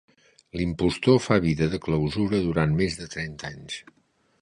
L'impostor fa vida de clausura durant més de trenta anys.